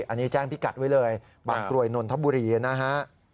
อันนี้แจ้งพิกัดไว้เลยบางกรวยนนทบุรีนะฮะ